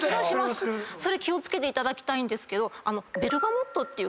それ気を付けていただきたいんですけど。